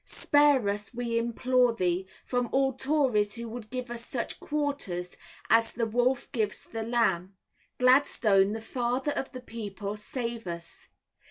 Spare us we implore thee. From all tories who would give us such quarters as the wolf gives the lamb. Gladstone, the father of the people, save us!